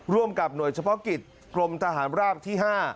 ร่วมกับหน่วยเฉพาะกิจกรมทหารราบที่๕